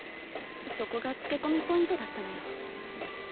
そこがつけこみポイントだったのよ